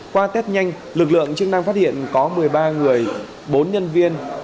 qua test nhanh lực lượng chức năng phát hiện có một mươi ba người bốn nhân viên